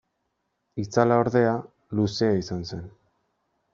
Itzala, ordea, luzea izan zen.